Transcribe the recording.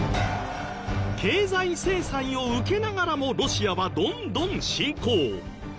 経済制裁を受けながらもロシアはどんどん侵攻。